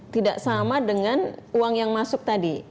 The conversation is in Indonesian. tidak sama dengan uang yang masuk tadi